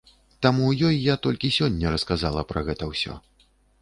Таму ёй я толькі сёння расказала пра гэта ўсё.